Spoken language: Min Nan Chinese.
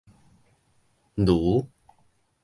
儒